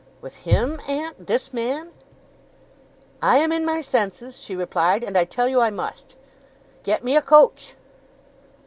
'With him, aunt? This man?' 'I am in my senses,' she replied, 'and I tell you I must. Get me a coach!